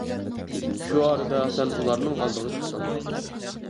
شۇ ئارىدا سەن ئۇلارنىڭ ئالدىغا چىقتىڭ.